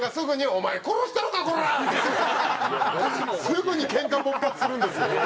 すぐにけんか勃発するんですよ。